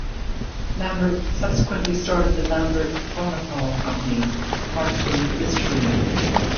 Lambert subsequently started the Lambert Pharmacal Company, marketing Listerine.